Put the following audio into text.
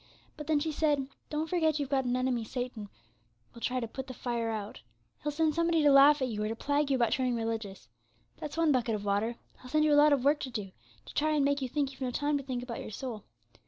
But then, she said, "Don't forget you've got an enemy. Satan will try to put the fire out. He'll send somebody to laugh at you, or to plague you about turning religious. That's one bucket of water! He'll send you a lot of work to do, to try and make you think you've no time to think about your soul.